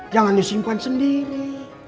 jangan disimpan sendiri